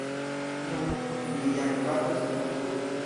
Nu, li ja ne batos min plu.